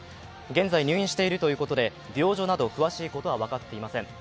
現在入院しているということで病状など詳しいことは分かっていません。